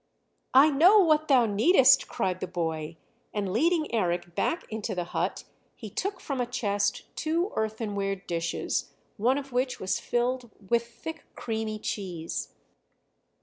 "I know what thou needest," cried the boy, and leading Eric back into the hut he took from a chest two earthenware dishes, one of which was filled with thick creamy cheese.